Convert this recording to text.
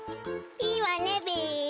いいわねべ。